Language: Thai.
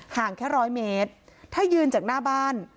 แค่ร้อยเมตรถ้ายืนจากหน้าบ้าน